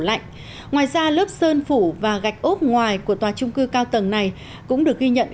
lạnh ngoài ra lớp sơn phủ và gạch ốp ngoài của tòa trung cư cao tầng này cũng được ghi nhận